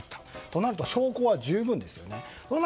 となると証拠は十分ですよね。